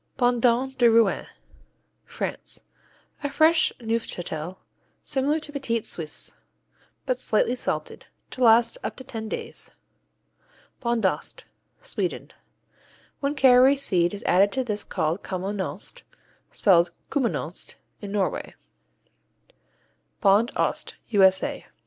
Bondon de Rouen France A fresh Neufchâtel, similar to Petit Suisse, but slightly salted, to last up to ten days. Bondost Sweden When caraway seed is added this is called Kommenost, spelled Kuminost in Norway. Bond Ost _U.S.A.